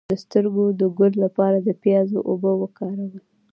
د سترګو د ګل لپاره د پیاز اوبه وکاروئ